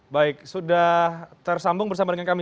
baik sudah tersambung bersama dengan kami